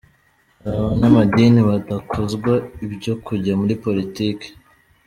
Hari abanyamadini badakozwa ibyo kujya muri politiki.